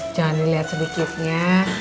jangan diliat sedikitnya